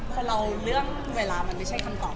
พอเราเรื่องเวลามันไม่ใช่คำตอบ